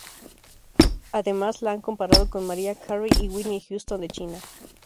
Además la han comparado con Mariah Carey y Whitney Houston de China.